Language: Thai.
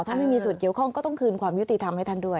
ถ้าไม่มีส่วนเกี่ยวข้องก็ต้องคืนความยุติธรรมให้ท่านด้วย